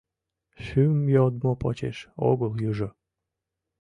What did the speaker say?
Шӱм йодмо почеш огыл южо